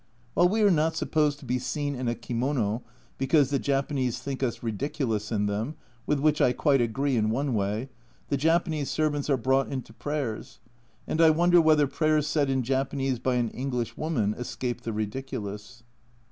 While we are not supposed to be seen in a kimono "because the Japanese think us ridiculous in them" (with which I quite agree in one way), the Japanese servants are brought into prayers, and I wonder whether prayers said in Japanese by an English woman escape the ridiculous